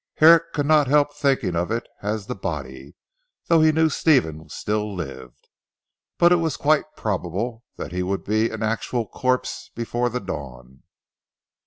Herrick could not help thinking of it as the body though he knew Stephen still lived. But it was quite probable that he would be an actual corpse before the dawn.